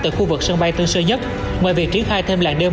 tại khu vực sân bay tân sơn nhất ngoài việc triển khai thêm làng d một